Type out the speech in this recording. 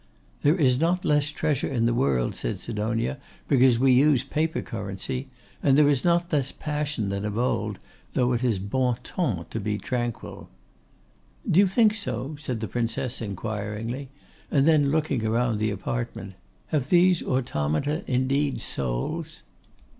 'There is not less treasure in the world,' said Sidonia, 'because we use paper currency; and there is not less passion than of old, though it is bon ton to be tranquil.' 'Do you think so?' said the Princess, inquiringly, and then looking round the apartment. 'Have these automata, indeed, souls?